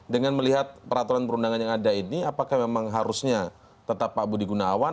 dengan melihat peraturan perundangan yang ada ini apakah memang harusnya tetap pak budi gunawan